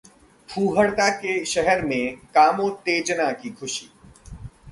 फूहड़ता के शहर में कामोत्तेजना की खुशी...